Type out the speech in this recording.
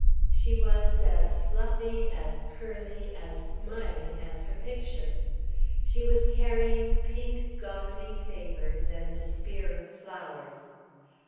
She was as fluffy, as curly, as smiling as her picture. She was carrying pink, gauzy favours and a spear of flowers.